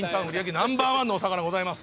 ナンバーワンのお魚ございます。